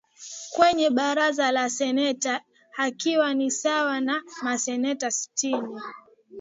kwenye Baraza la seneti ikiwa ni sawa na maseneta sitini